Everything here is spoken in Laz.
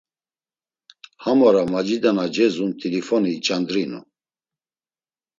Ham ora macida na celazun t̆ilifoni iç̌andrinu.